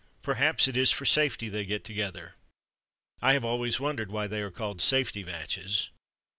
Perhaps it is for safety, they get together. I have always wondered why they are called Safety Matches.